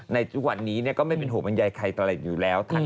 ในทุกวันนี้ก็ไม่เป็นห่วงบรรยายใครตลอดอยู่แล้ว